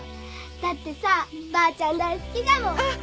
だってさばあちゃん大好きじゃもん